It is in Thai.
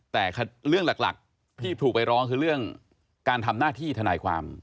แต่เรื่องหลักที่ถูกไปร้องคือเรื่องการทำหน้าที่ทนายความ